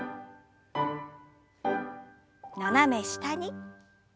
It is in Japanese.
斜め下に。